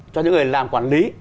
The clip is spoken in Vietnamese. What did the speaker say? cho những người làm quản lý